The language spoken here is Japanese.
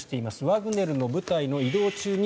ワグネルの部隊の移動中に